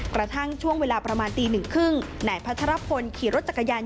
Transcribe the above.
กระทั่งช่วงเวลาประมาณ๑๓๐นนายพัทรพลขี่รถจักรยาน